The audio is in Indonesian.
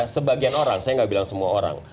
sebagian orang saya nggak bilang semua orang